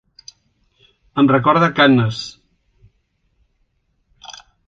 Em recorda Cannes.